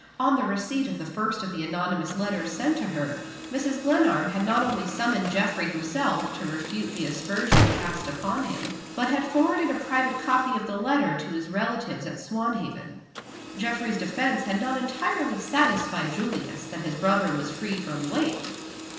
On the receipt of the first of the anonymous letters sent to her, Mrs. Glenarm had not only summoned Geoffrey himself to refute the aspersion cast upon him, but had forwarded a private copy of the letter to his relatives at Swanhaven. Geoffrey's defense had not entirely satisfied Julius that his brother was free from blame.